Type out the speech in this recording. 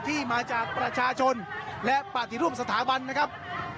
ที่มาจากประชาชนและปฏิรูปสถาบันนะครับ